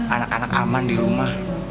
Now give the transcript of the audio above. anak anak aman di rumah